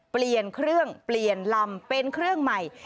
เปลี่ยนเครื่องเปลี่ยนลำเป็นเครื่องใหม่